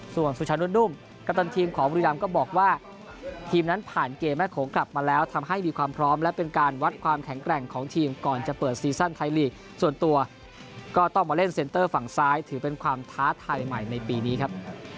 ส่วนสุชานุ่นุ่มกัปตันทีมของบุรีรำก็บอกว่าทีมนั้นผ่านเกมแม่โขงกลับมาแล้วทำให้มีความพร้อมและเป็นการวัดความแข็งแกร่งของทีมก่อนจะเปิดซีซั่นไทยลีกส่วนตัวก็ต้องมาเล่นเซ็นเตอร์ฝั่งซ้ายถือเป็นความท้าทายใหม่ในปีนี้ครับ